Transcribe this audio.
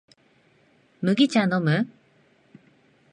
麦茶のむ？